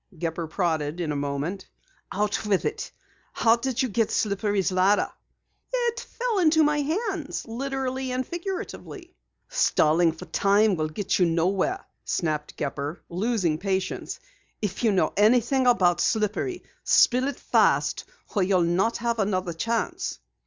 Gepper prodded in a moment. "Out with it! How did you get Slippery's ladder?" "It fell into my hands, literally and figuratively." "Stalling for time will get you nowhere," snapped Gepper, losing patience. "If you know anything about Slippery spill it fast or you'll not have another chance."